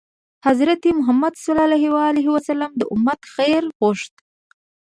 حضرت محمد ﷺ د امت خیر غوښت.